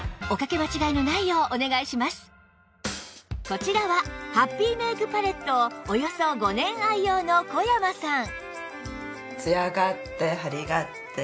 こちらはハッピーメイクパレットをおよそ５年愛用の小山さん